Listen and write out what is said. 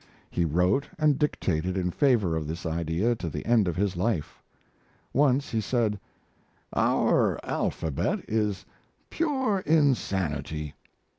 He wrote and dictated in favor of this idea to the end of his life. Once he said: "Our alphabet is pure insanity.